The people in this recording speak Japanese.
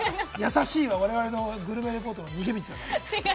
やさしいは我々のグルメリポートの逃げ道だから。